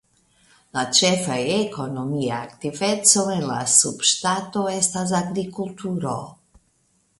La ĉefa ekonomia aktiveco en la subŝtato estas agrikulturo.